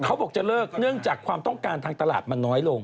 เขาบอกจะเลิกเนื่องจากความต้องการทางตลาดมันน้อยลง